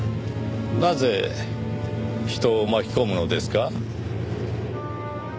なぜ人を巻き込むのですか？